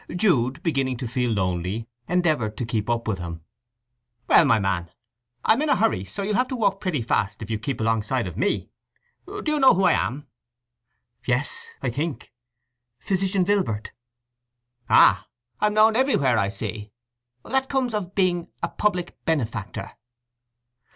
Jude, beginning to feel lonely, endeavoured to keep up with him. "Well, my man! I'm in a hurry, so you'll have to walk pretty fast if you keep alongside of me. Do you know who I am?" "Yes, I think. Physician Vilbert?" "Ah—I'm known everywhere, I see! That comes of being a public benefactor."